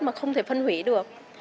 mà không thể phân hủy được